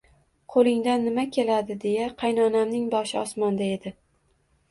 Qo`lingdan nima keladi, deya qaynonamning boshi osmonda edi